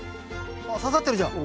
あっささってるじゃん。